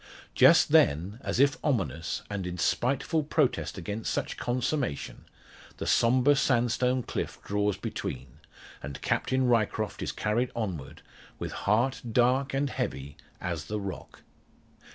Just then, as if ominous, and in spiteful protest against such consummation, the sombre sandstone cliff draws between, and Captain Ryecroft is carried onward, with heart dark and heavy as the rock.